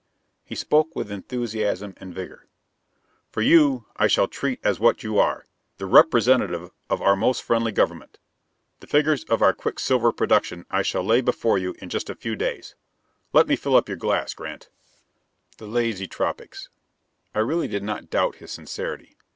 He spoke with enthusiasm and vigor. "For you I shall treat as what you are the representative of our most friendly government. The figures of our quicksilver production I shall lay before you in just a few days. Let me fill up your glass, Grant." The lazy tropics. I really did not doubt his sincerity.